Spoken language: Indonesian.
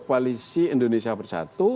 koalisi indonesia bersatu